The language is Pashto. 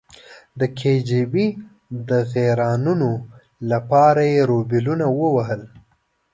د کې جی بي د غیرانونو لپاره یې روبلونه ووهل.